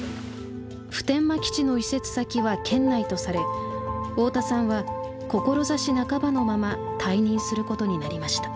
普天間基地の移設先は県内とされ大田さんは志半ばのまま退任することになりました。